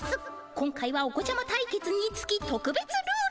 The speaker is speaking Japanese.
今回はお子ちゃま対決につきとくべつルール。